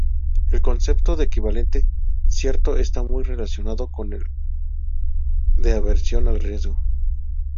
El concepto de equivalente cierto está muy relacionado con el de aversión al riesgo.